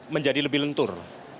menjadi lebih lentur